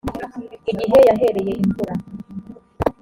igihe yahereye imvura